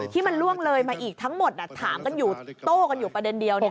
ที่มันล่วงเลยมาอีกทั้งหมดถามกันอยู่โต้กันอยู่ประเด็นเดียว